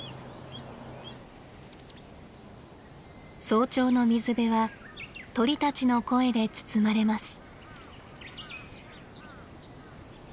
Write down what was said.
早朝の水辺は鳥たちの声で包まれます。